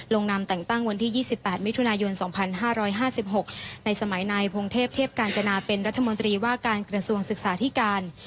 นำแต่งตั้งวันที่๒๘มิถุนายน๒๕๕๖ในสมัยนายพงเทพเทพกาญจนาเป็นรัฐมนตรีว่าการกระทรวงศึกษาธิการ